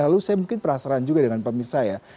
lalu saya mungkin penasaran juga dengan pemirsa ya